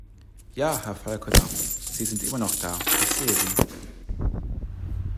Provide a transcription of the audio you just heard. Ja, Herr Falconer, Sie sind immer noch da, ich sehe Sie.